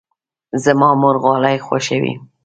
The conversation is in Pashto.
زما مور غالۍ خوښوي.